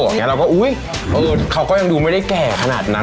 เราก็อุ๊ยเขาก็ยังดูไม่ได้แก่ขนาดนั้น